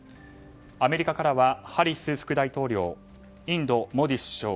アメリカからはハリス副大統領インド、モディ首相